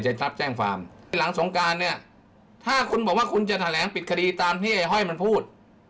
แจ้งความไอ้หลังสงการเนี่ยถ้าคุณบอกว่าคุณจะแถลงปิดคดีตามที่ไอ้ห้อยมันพูด